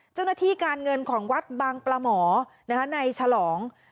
เจ้าหน้าที่การเงินของวัดบางปลาหมอในฉลอง